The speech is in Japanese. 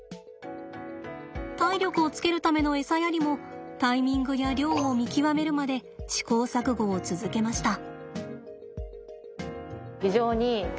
体力をつけるためのエサやりもタイミングや量を見極めるまで試行錯誤を続けました。